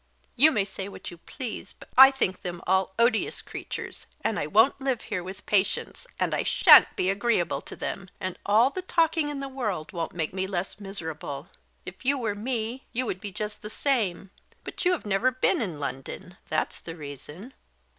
"You may say what you please, but I think them all odious creatures; and I won't live here with patience; and I shan't be agreeable to them; and all the talking in the world won't make me less miserable. If you were me, you would be just the same; but you have never been in London that's the reason."